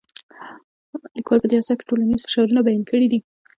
لیکوال په دې اثر کې ټولنیز فشارونه بیان کړي دي.